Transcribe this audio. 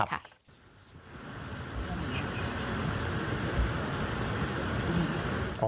ครับ